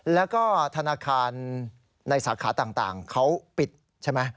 แล้วก็ธนาคารในสาขาต่างเขาปิดใช่ไหม